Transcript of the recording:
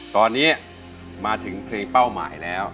ตอนนี้มาถึงเพลงเป้าหมายแล้ว